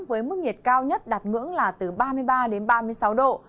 với mức nhiệt cao nhất đạt ngưỡng là từ ba mươi ba đến ba mươi sáu độ